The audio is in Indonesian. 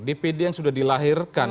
dpd yang sudah dilahirkan